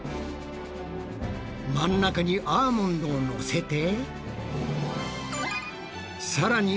真ん中にアーモンドをのせて。